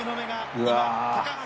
うわ。